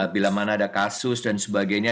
bila mana ada kasus dan sebagainya